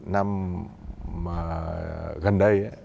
năm gần đây ấy